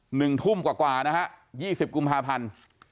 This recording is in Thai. หนึ่งทุ่มกว่ากว่านะฮะยี่สิบกุมภาพันธ์